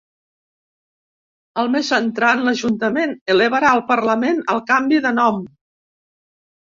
El mes entrant l’ajuntament elevarà al parlament el canvi de nom.